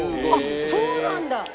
あっそうなんだ。